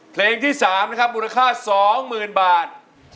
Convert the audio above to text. เพลงที่สามนะครับบูรณาค่าสองหมื่นบาท